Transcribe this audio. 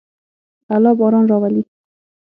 الله باران راولي.